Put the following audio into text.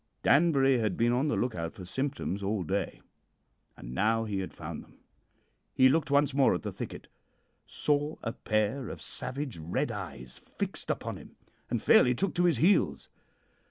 "Danbury had been on the look out for symptoms all day, and now he had found them. He looked once more at the thicket, saw a pair of savage red eyes fixed upon him, and fairly took to his heels.